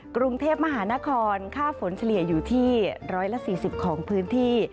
กรุงเทพมหานครค่าฝนเฉลี่ยอยู่ที่๑๔๐ของพื้นที่